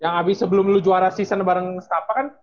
yang abis sebelum lo juara season bareng staff kan